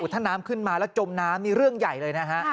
ถ้าน้ำขึ้นมาแล้วจมน้ำนี่เรื่องใหญ่เลยนะฮะ